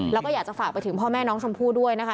แล้วก็อยากจะฝากไปถึงพ่อแม่น้องชมพู่ด้วยนะคะ